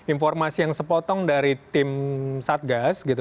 informasi yang sepotong dari tim satgas gitu